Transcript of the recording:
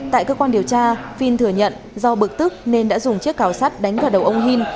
tại cơ quan điều tra phiên thừa nhận do bực tức nên đã dùng chiếc cò sắt đánh vào đầu ông hin